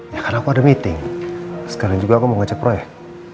ya karena aku ada meeting sekarang juga aku mau ngecek proyek